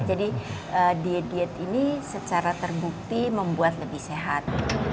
jadi diet diet ini secara terbukti membuat lebih sehat